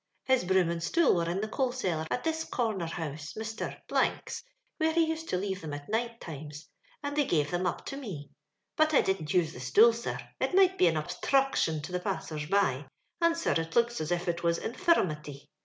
His broom and stool were in the coal collar at this comer house, Mr. 'a, where he used to leave tliem at night times, and they gave them up to me ; but I didnt use the stool, sir, it might be an obsthruction to the passers by; and, sir, it looks as if it was infirnimity.